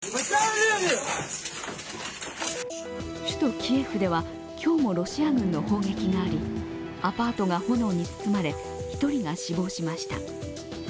首都キエフでは今日もロシア軍の砲撃がありアパートが炎に包まれ１人が死亡しました。